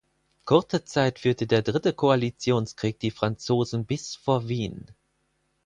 Kurze Zeit führte der Dritte Koalitionskrieg die Franzosen bis vor Wien.